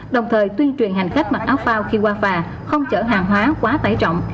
đồng thời tuyên truyền hành khách mặc áo phao khi qua phà không chở hàng hóa quá tải trọng